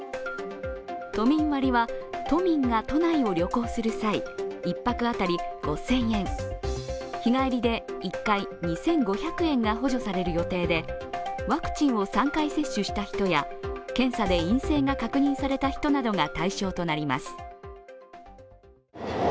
都民割は都民が都内を旅行する際、１泊当たり５０００円、日帰りで１回２５００円が補助される予定でワクチンを３回接種した人や検査で陰性が確認された人などが対象となります。